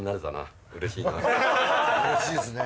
うれしいですね。